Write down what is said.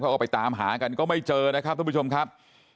เขาก็ไปตามหากันก็ไม่เจอนะครับทุกผู้ชมครับ